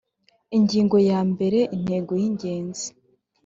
ingingo ya mbere intego y ingenzi